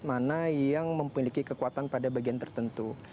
mana yang memiliki kekuatan pada bagian tertentu